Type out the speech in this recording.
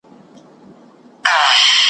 اوس د شیخانو له شامته شهباز ویني ژاړي `